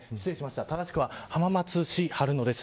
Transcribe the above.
ただしくは浜松市春野です。